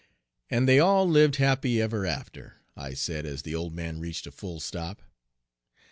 "And they all lived happy ever after," I said, as the old man reached a full stop.